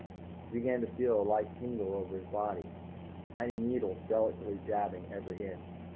_ He began to feel a light tingle over his body, tiny needles delicately jabbing every inch.